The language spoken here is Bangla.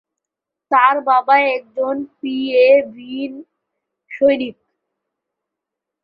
তার বাবা একজন পিএভিএন সৈনিক।